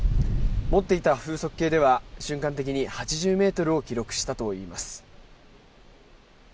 持っていた風速計では瞬間的に８０ｍを記録したといいます。